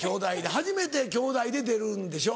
初めてきょうだいで出るんでしょ？